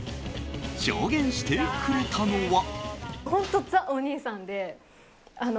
証言してくれたのは。